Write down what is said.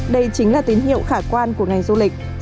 đây chính là tín hiệu khả quan của ngành du lịch